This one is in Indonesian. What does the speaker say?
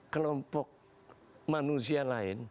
kelompok manusia lain